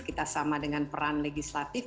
kita sama dengan peran legislatif